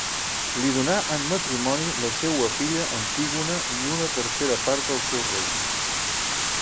Li donà en matrimoni la seua filla Antígona i una tercera part del seu regne.